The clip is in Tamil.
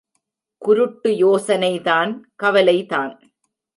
குருட்டு யோசனைதான் கவலைதான்.